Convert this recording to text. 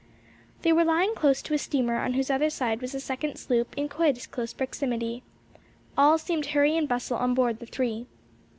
They were lying close to a steamer on whose other side was a second sloop in quite as close proximity. All seemed hurry and bustle on board the three.